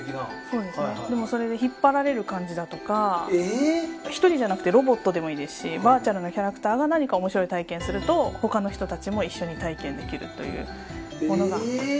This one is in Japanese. それで引っ張られる感じだとか１人じゃなくてロボットでもいいですしバーチャルなキャラクターが何かおもしろい体験をすると他の人も一緒に体験できるという。